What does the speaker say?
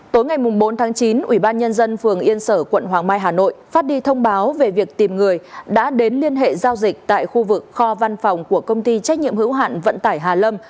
tối ngày bốn tháng chín ủy ban nhân dân phường yên sở quận hoàng mai hà nội phát đi thông báo về việc tìm người đã đến liên hệ giao dịch tại khu vực kho văn phòng của công ty trách nhiệm hữu hạn vận tải hà lâm